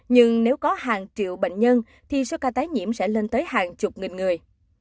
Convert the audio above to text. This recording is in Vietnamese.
nhưng nếu có hàng triệu bệnh nhân thì số ca tái nhiễm sẽ lên tới hàng chục nghìn người